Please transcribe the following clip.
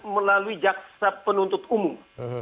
melalui jaksa penuntut umum